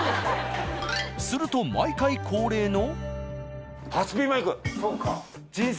すると毎回恒例の。